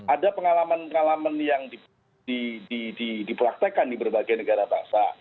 ada pengalaman pengalaman yang dipraktekan di berbagai negara bangsa